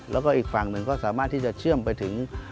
แล้วก็อีกฝั่งหนึ่งก็สามารถที่จะเชื่อมไปถึง